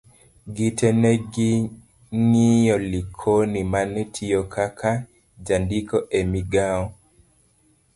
gite ne ging'iyo Likono mane tiyo ka ka jandiko e migawo